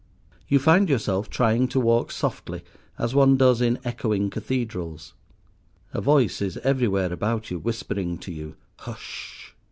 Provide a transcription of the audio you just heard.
You find yourself trying to walk softly, as one does in echoing cathedrals. A voice is everywhere about you whispering to you "Hush."